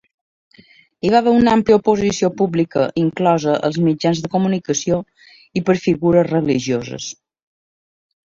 Hi va haver una àmplia oposició pública, inclosa als mitjans de comunicació i per figures religioses.